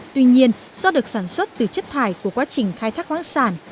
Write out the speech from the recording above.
tuy nhiên do được sản xuất từ chất thải của quá trình khai thác khoáng sản